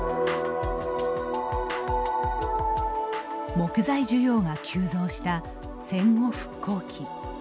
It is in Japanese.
木材需要が急増した戦後復興期。